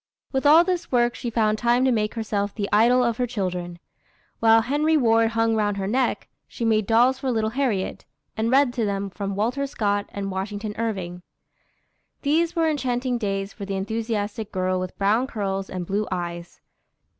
With all this work she found time to make herself the idol of her children. While Henry Ward hung round her neck, she made dolls for little Harriet, and read to them from Walter Scott and Washington Irving. These were enchanting days for the enthusiastic girl with brown curls and blue eyes.